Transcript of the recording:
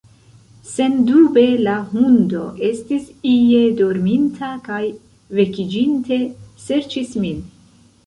Sendube la hundo estis ie dorminta kaj vekiĝinte, serĉis min.